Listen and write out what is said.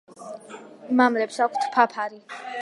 მამლებს აქვთ ფაფარი.